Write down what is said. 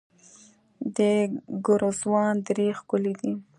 د ګرزوان درې ښکلې دي